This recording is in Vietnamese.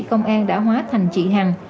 công an đã hóa thành trị hành